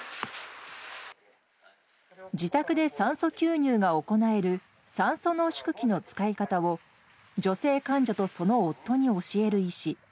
自宅で酸素吸入が行える、酸素濃縮器の使い方を、女性患者とその夫に教える医師。